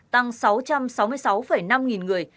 tăng sáu trăm sáu mươi sáu năm nghìn người